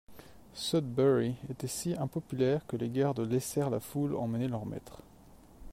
Sudbury était si impopulaire que les gardes laissèrent la foule emmener leur maître.